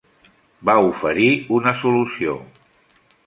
Va oferir una solució.